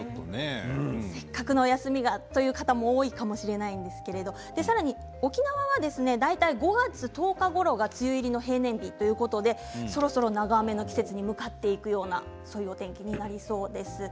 せっかくのお休みだという方も多いかもしれませんがさらに沖縄は大体５月１０日ごろが梅雨入りの平年日ということでそろそろ長雨の季節に向かっていくようなそんなお天気になりそうです。